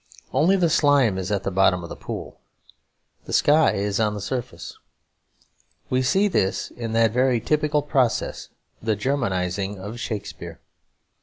Only the slime is at the bottom of a pool; the sky is on the surface. We see this in that very typical process, the Germanising of Shakespeare.